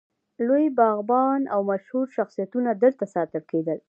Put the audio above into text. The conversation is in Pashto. لوی باغیان او مشهور شخصیتونه دلته ساتل کېدل.